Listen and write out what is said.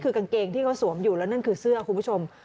คือกางเกงที่เขาสวมอยู่แล้วนั่นคือเสื้อคุณผู้ชม